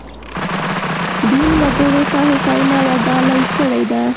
دین وګړو ته هوساینه ورډالۍ کړې ده.